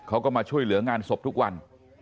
เขาก็มาช่วยเหลืองานศพทุกวัน